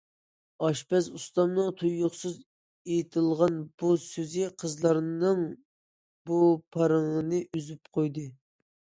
ئاشپەز ئۇستامنىڭ تۇيۇقسىز ئېيتىلغان بۇ سۆزى قىزلارنىڭ بۇ پارىڭىنى ئۈزۈپ قويدى.